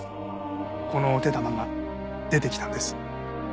このお手玉が出てきたんです。